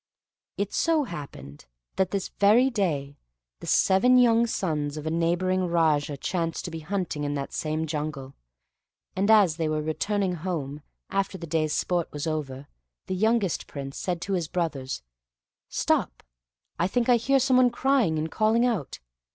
It so happened that this very day the seven young sons of a neighboring Raja chanced to be hunting in that same jungle, and as they were returning home, after the day's sport was over, the youngest Prince said to his brothers: "Stop, I think I hear some one crying and calling out.